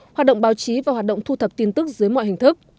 hoạt động báo chí và hoạt động thu thập tin tức dưới mọi hình thức